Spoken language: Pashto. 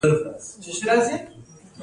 د تګ د ستونزې لپاره باید څه وکړم؟